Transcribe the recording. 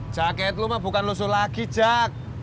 jaket lu mah bukan lusuh lagi jack